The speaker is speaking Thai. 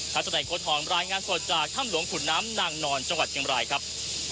ัศนัยโค้ทองรายงานสดจากถ้ำหลวงขุนน้ำนางนอนจังหวัดเชียงบรายครับ